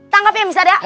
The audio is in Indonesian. tangkap ya misalnya